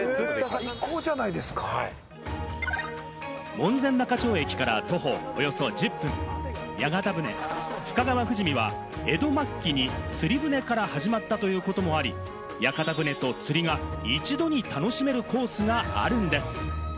門前仲町駅から徒歩およそ１０分、屋形船・深川冨士見は江戸末期に釣船から始まったということもあり、屋形船と釣りが一度に楽しめるコースがあるんです。